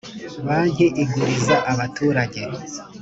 banki iguriza abaturajye